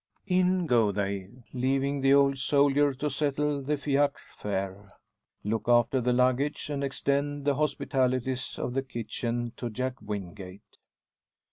In go they, leaving the old soldier to settle the fiacre fare, look after the luggage, and extend the hospitalities of the kitchen to Jack Wingate.